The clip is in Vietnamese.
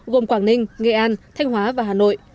gồm quảng ninh nghệ an thanh hóa và hà nội